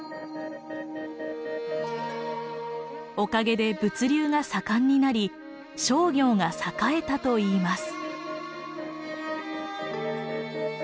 おかげで物流が盛んになり商業が栄えたといいます。